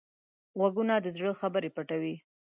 غوږونه د زړه خبرې پټوي